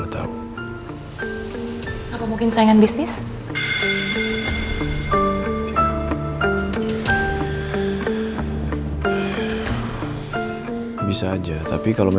tapi tekgan valuable